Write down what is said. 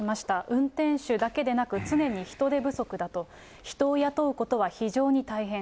運転手だけでなく、常に人手不足だと、人を雇うことは非常に大変。